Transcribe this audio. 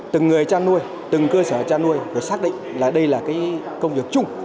từng người cha nuôi từng cơ sở cha nuôi phải xác định đây là cái công việc chung